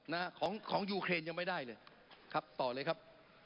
นะฮะของของยูเครนยังไม่ได้เลยครับต่อเลยครับ